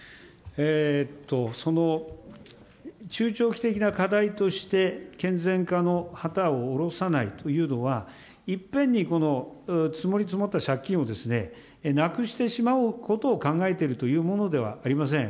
その中長期的な課題として健全化の旗を下ろさないというのは、いっぺんに積もり積もった借金をなくしてしまうことを考えているというものではありません。